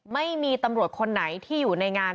ไม่มีตำรวจคนไหนที่อยู่ในงาน